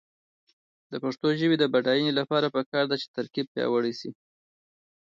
د پښتو ژبې د بډاینې لپاره پکار ده چې ترکیب پیاوړی شي.